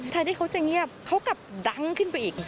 ที่เขาจะเงียบเขากลับดังขึ้นไปอีก